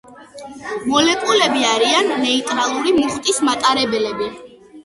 მოლეკულები არიან ნეიტრალური მუხტის მატარებლები.